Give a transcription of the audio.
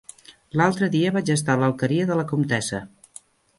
L'altre dia vaig estar a l'Alqueria de la Comtessa.